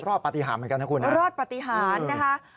ปฏิหารเหมือนกันนะคุณรอดปฏิหารนะคะ